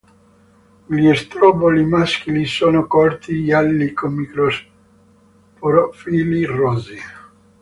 Gli strobili maschili sono corti, gialli con microsporofilli rossi.